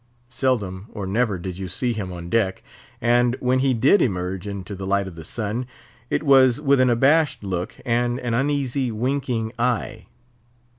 Seldom or never did you see him on deck, and when he did emerge into the light of the sun, it was with an abashed look, and an uneasy, winking eye.